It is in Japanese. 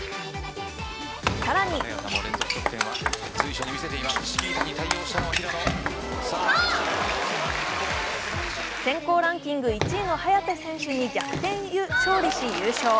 更に先行ランク１位の早田選手に逆転勝利し優勝。